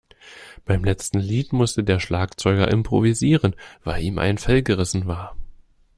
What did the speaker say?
Beim letzten Lied musste der Schlagzeuger improvisieren, weil ihm ein Fell gerissen war.